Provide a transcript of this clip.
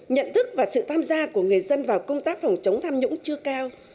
nhận thức và sự tham gia của người dân vào công tác phòng chống tham nhũng chưa cao